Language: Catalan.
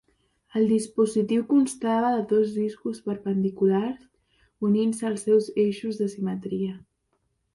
El dispositiu constava de dos discos perpendiculars units als seus eixos de simetria.